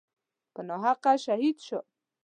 په ناحقه شهید شو.